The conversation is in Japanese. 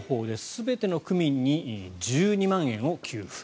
全ての区民に１２万円を給付。